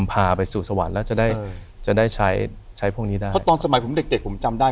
พาไปสู่สวรรค์แล้วจะได้จะได้ใช้ใช้พวกนี้ได้เพราะตอนสมัยผมเด็กเด็กผมจำได้